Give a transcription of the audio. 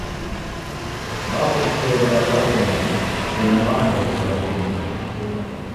Waghosere hata oghomeka sena wandakiavua.